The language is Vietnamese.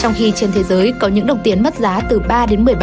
trong khi trên thế giới có những đồng tiền mất giá từ ba đến một mươi ba